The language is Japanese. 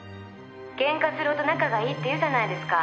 「ケンカするほど仲がいいって言うじゃないですか」